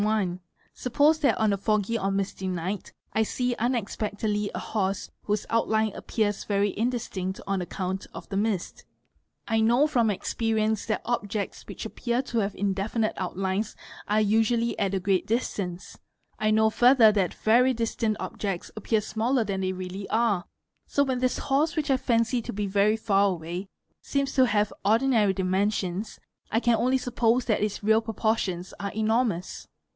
one: suppose that on a foggy or misty night I see unexpectedly a horse _ whose outline appears very indistinct on account of the mist. I know _ from experience that objects which appear to have indefinite outlines are usually at a great distance; I know further that very distant objects _ appear smaller than they really are, so when this horse which I fancy to be very far away seems to have ordinary dimensions, I can only suppose that its real proportions are enormous.